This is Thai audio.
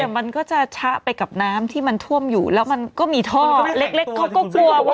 มันก็จะชะไปกับน้ำที่มันท่วมอยู่แล้วมันก็มีท่อเล็กเขาก็กลัวว่า